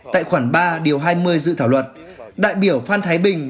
tại khoản ba điều hai mươi dự thảo luật đại biểu phan thái bình